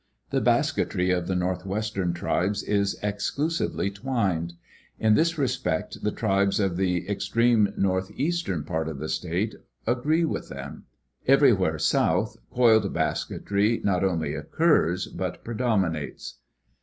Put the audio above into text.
The basketry of the northwestern tribes is exclusively twined. In this respect the tribes of the extreme northeastern part of the state agree with them. Everywhere south coiled basketry not only occurs but predominates.